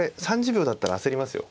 ３０秒だったら焦りますよ。